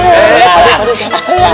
pak d pak d